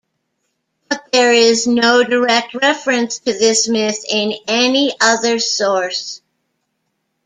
But there is no direct reference to this myth in any other source.